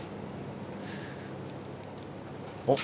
おっ！